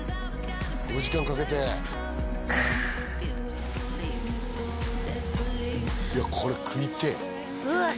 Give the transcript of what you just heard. ５時間かけて・くっいやこれ食いてえうわっ